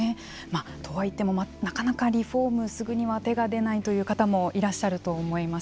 とはいってもなかなかリフォームすぐには手が出ないという方もいらっしゃると思います。